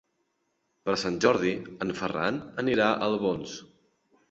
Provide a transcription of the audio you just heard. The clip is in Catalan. Per Sant Jordi en Ferran anirà a Albons.